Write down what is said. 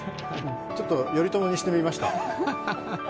ちょっと頼朝にしてみました。